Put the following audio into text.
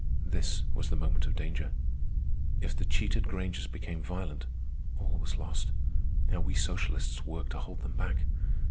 This was the moment of danger. If the cheated Grangers became violent, all was lost. How we socialists worked to hold them back!